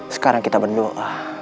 sekarang kita berdoa